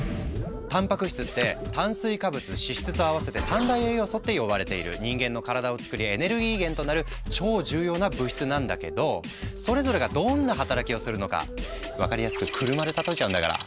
たんぱく質って炭水化物脂質と合わせて三大栄養素って呼ばれている人間の体をつくりエネルギー源となる超重要な物質なんだけどそれぞれがどんな働きをするのか分かりやすく車で例えちゃうんだから。